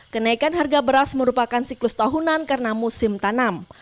kenaikan harga beras merupakan siklus tahunan karena musim tanam